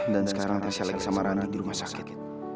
dan sekarang tasya lagi sama randi di rumah sakit